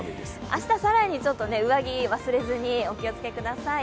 明日、更に上着忘れずにお気をつけください。